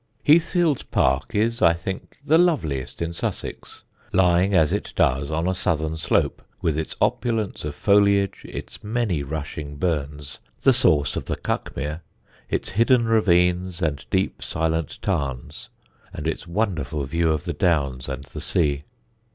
Heathfield's park is, I think, the loveliest in Sussex, lying as it does on a southern slope, with its opulence of foliage, its many rushing burns (the source of the Cuckmere), its hidden ravines and deep silent tarns, and its wonderful view of the Downs and the sea.